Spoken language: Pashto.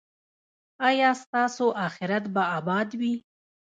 ایا ستاسو اخرت به اباد وي؟